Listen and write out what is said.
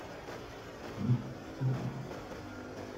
Nichts zu danken!